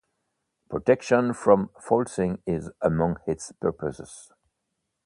Protection from falsing is among its purposes.